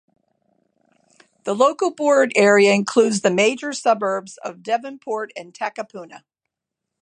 The local board area includes the major suburbs of Devonport and Takapuna.